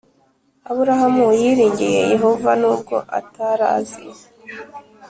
Aburahamu yiringiye yehova nubwo atari azi